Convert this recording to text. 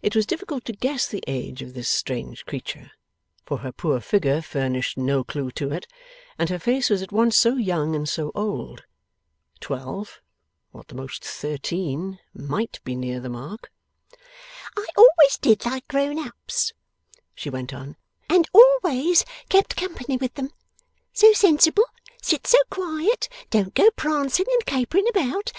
It was difficult to guess the age of this strange creature, for her poor figure furnished no clue to it, and her face was at once so young and so old. Twelve, or at the most thirteen, might be near the mark. 'I always did like grown ups,' she went on, 'and always kept company with them. So sensible. Sit so quiet. Don't go prancing and capering about!